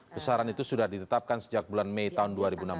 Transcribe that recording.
besaran itu sudah ditetapkan sejak bulan mei tahun dua ribu enam belas